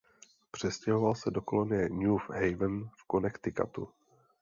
Přestěhoval se do kolonie New Haven v Connecticutu.